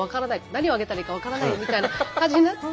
何をあげたらいいか分からないみたいな感じになって。